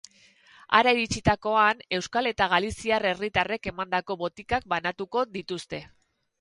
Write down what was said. Hara iritsitakoan, euskal eta galiziar herritarrek emandako botikak banatuko dituzte.